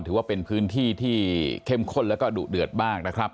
ถือว่าเป็นพื้นที่ที่เข้มข้นแล้วก็ดุเดือดมากนะครับ